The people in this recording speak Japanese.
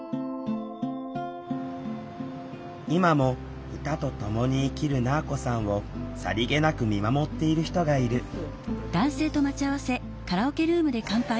今も歌とともに生きるなぁこさんをさりげなく見守っている人がいる乾杯。